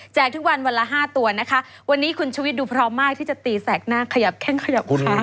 ทุกวันวันละห้าตัวนะคะวันนี้คุณชุวิตดูพร้อมมากที่จะตีแสกหน้าขยับแข้งขยับขา